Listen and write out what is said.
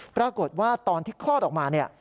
ปรากฏว่าตอนที่คลอดออกมาเนี่ย